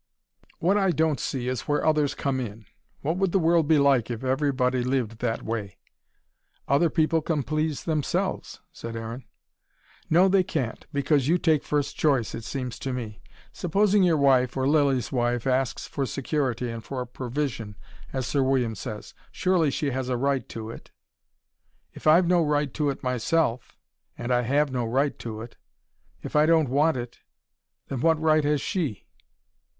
What I don't see is where others come in. What would the world be like if everybody lived that way?" "Other people can please themselves," said Aaron. "No, they can't because you take first choice, it seems to me. Supposing your wife or Lilly's wife asks for security and for provision, as Sir William says. Surely she has a right to it." "If I've no right to it myself and I HAVE no right to it, if I don't want it then what right has she?"